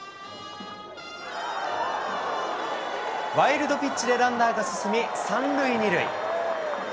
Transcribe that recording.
ワイルドピッチでランナーが進み、３塁２塁。